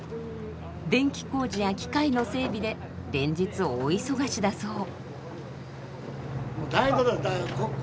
電気工事や機械の整備で連日大忙しだそう。